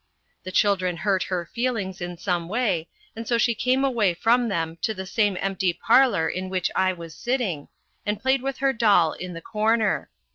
The children hurt her feelings in some way, and so she came away from them to the same empty parlour in which I was sitting, and played with her doll in the corner.